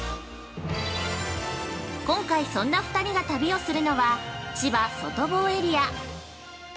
今回、そんな２人が旅をするのは千葉・外房エリア。